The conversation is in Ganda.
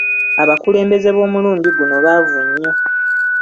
Abakulembeze b'omulundi guno baavu nnyo.